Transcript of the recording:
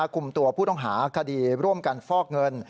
กลุ่มตัวผู้ต้องหาคดีร่วมกันฟอกเงิน